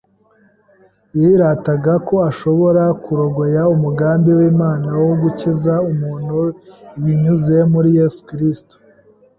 yirataga ko azashobora kurogoya umugambi w’Imana wo gukiza umuntu binyuze muri Yesu Kristo.